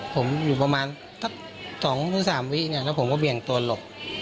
ผมอยู่ประมาณสัก๒๓วิเนี่ยแล้วผมก็เบี่ยงตัวหลบ